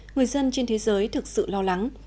người dân trên thế giới thực sự lo lắng